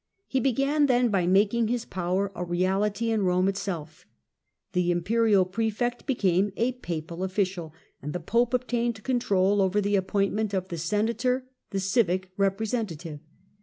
He began, then, by making his power a reality in Rome itself The imperial prefect became a papal official, and the Pope obtained control over the appointment of the Senator, the civic representative.